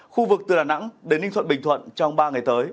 khu vực từ đà nẵng đến ninh thuận bình thuận trong ba ngày tới